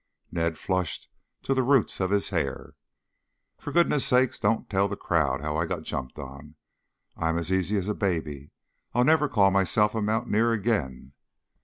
Ned flushed to the roots of his hair. "For goodness' sake, don't tell the crowd how I got jumped on. I am as easy as a baby. I'll never call myself a mountaineer again."